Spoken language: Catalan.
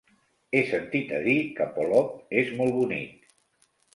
He sentit a dir que Polop és molt bonic.